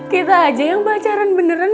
kita aja yang pacaran beneran